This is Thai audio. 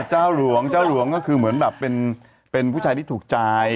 เจ้าหลวงเจ้าหลวงก็คือเหมือนแบบเป็นผู้ชายที่ถูกใจ